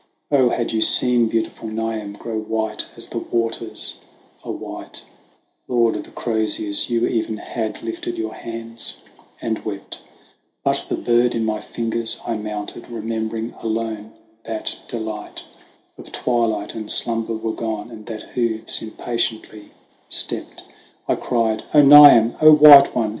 0, had you seen beautiful Niamh grow white as the waters are white, Lord of the croziers, you even had lifted your hands and wept : THE WANDERINGS OF OISIN 135 But, the bird in my ringers, I mounted, re membering alone that delight Of twilight and slumber were gone, and that hoofs impatiently stept. I cried, "0 Niamh! white one!